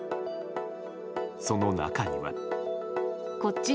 その中身は。